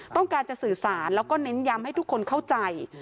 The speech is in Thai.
ต้องการจะสื่อสารแล้วก็เน้นย้ำให้ทุกคนเข้าใจ